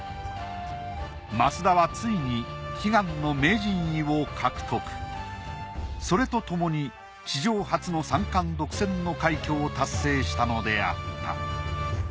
升田はついに悲願のそれとともに史上初の三冠独占の快挙を達成したのであった。